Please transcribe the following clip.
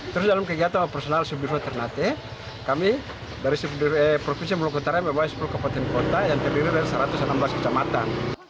terus dalam kegiatan operasional subir ternate kami dari provinsi maluku utara membawa sepuluh kabupaten kota yang terdiri dari satu ratus enam belas kecamatan